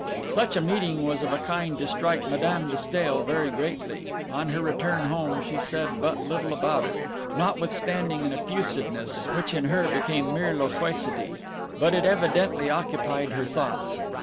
Such a meeting was of a kind to strike Madame de Stael very greatly; on her return home she said but little about it, notwithstanding an effusiveness which in her became mere loquacity; but it evidently occupied her thoughts.